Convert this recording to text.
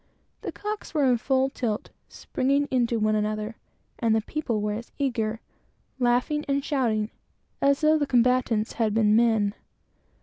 The cocks were in full tilt, springing into one another, and the people were as eager, laughing and shouting, as though the combatants had been men.